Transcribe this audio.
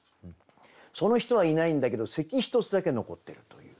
その人はいないんだけど咳一つだけ残ってるという。